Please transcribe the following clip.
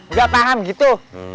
nggak paham gitu